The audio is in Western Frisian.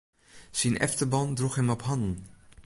Syn efterban droech him op hannen.